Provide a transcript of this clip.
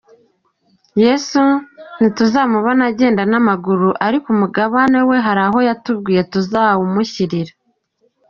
Yesu ntituzamubona agenda n’amaguru ariko umugabane we hari aho yatubwiye tuzawumushyirira.